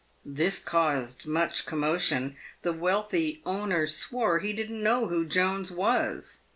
This caused much commotion. The wealthy owner swore he didn't know who Jones was.